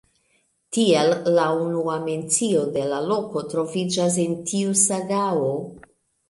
Tiel la unua mencio de la loko troviĝas en tiu sagao.